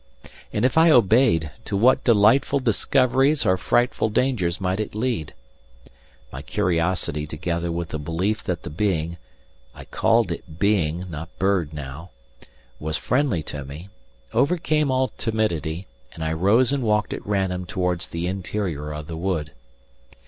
And if I obeyed, to what delightful discoveries or frightful dangers might it lead? My curiosity together with the belief that the being I called it being, not bird, now was friendly to me, overcame all timidity, and I rose and walked at random towards the interior of the wood.